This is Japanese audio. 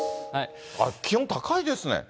気温、高いですね。